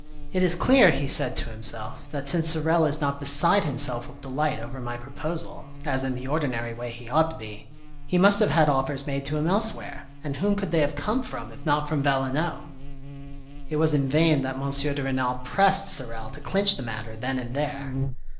It is clear, he said to himself, that since Sorel is not beside himself with delight over my proposal, as in the ordinary way he ought to be, he must have had offers made to him elsewhere, and whom could they have come from, if not from Valenod. It was in vain that M. de Renal pressed Sorel to clinch the matter then and there.